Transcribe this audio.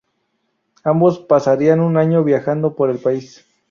Ambos pasarían un año viajando por el país.